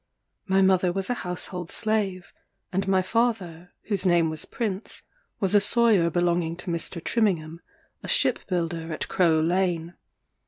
My mother was a household slave; and my father, whose name was Prince, was a sawyer belonging to Mr. Trimmingham, a ship builder at Crow Lane.